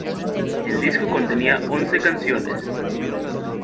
El disco contenía once canciones.